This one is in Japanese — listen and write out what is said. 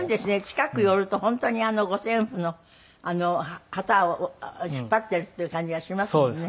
近く寄ると本当に五線譜の端を引っ張っているっていう感じがしますもんね。